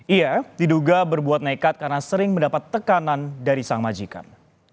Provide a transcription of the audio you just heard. ia diduga berbuat nekat karena sering mendapat tekanan dari sang majikan